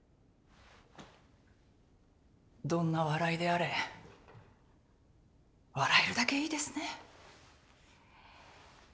どんな笑いであれ笑えるだけいいですね。